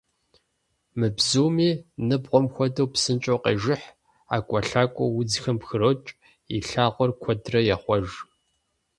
Мы бзуми, ныбгъуэм хуэдэу, псынщӀэу къежыхь, ӀэкӀуэлъакӀуэу удзхэм пхрокӀ, и лъагъуэр куэдрэ ехъуэж.